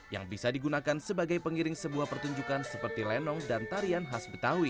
yang bisa digunakan sebagai pengiring sebuah pertunjukan seperti lenong dan tarian khas betawi